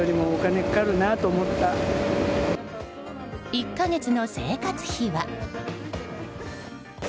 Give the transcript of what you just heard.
１か月の生活費は。